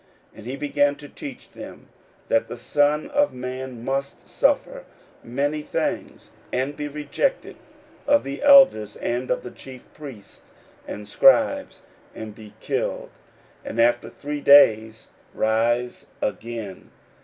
41:008:031 And he began to teach them, that the Son of man must suffer many things, and be rejected of the elders, and of the chief priests, and scribes, and be killed, and after three days rise again.